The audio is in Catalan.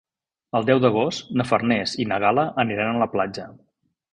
El deu d'agost na Farners i na Gal·la aniran a la platja.